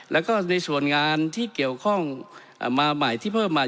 แล้วก็ในส่วนงานที่เกี่ยวข้องมาใหม่ที่เพิ่มมา